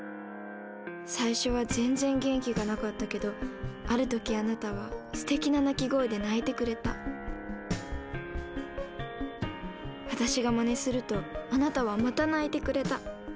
最初は全然元気がなかったけどある時あなたはすてきな鳴き声で鳴いてくれた私がまねするとあなたはまた鳴いてくれた。